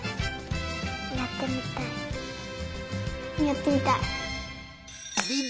やってみたい。